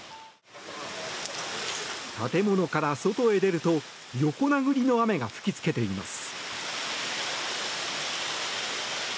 建物から外へ出ると横殴りの雨が吹きつけています。